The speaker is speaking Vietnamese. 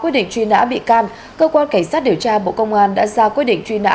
quyết định truy nã bị can cơ quan cảnh sát điều tra bộ công an đã ra quyết định truy nã